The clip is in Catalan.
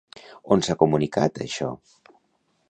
On s'ha comunicat, això?